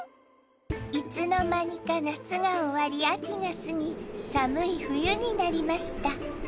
いつの間にか夏が終わり秋が過ぎ寒い冬になりました